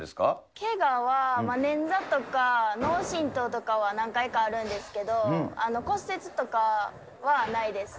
けがは捻挫とか脳震とうとかは何回かあるんですけど、骨折とかはないです。